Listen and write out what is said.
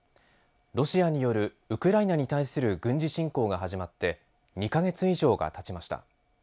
ロシアによるウクライナに対する軍事侵攻が始まって２か月以上がたちました。